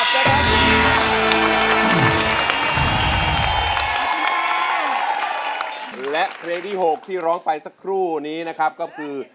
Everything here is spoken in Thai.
ขอบคุณแล้วเพลงดี๖ที่ร้องไปสักครู่นะค่ะก็คือ